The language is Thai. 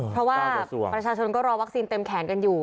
เพราะว่าประชาชนก็รอวัคซีนเต็มแขนกันอยู่